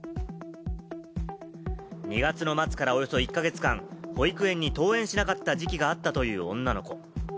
２月の末からおよそ１か月間、保育園に登園しなかった時期があったという女の子。